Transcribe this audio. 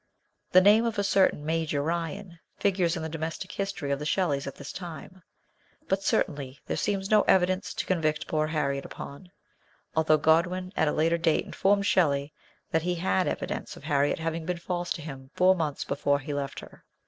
The name of a certain Major Ryan figures in the domestic history of the Shelleys at this time ; but certainly there seems no evidence to convict poor Harriet upon, although Godwin at a later date informed Shelley that he had evidence of Harriet having been false to him four months before he left her.